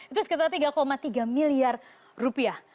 itu sekitar tiga tiga miliar rupiah